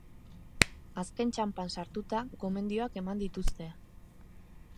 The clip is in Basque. Azken txanpan sartuta, gomendioak eman dituzte.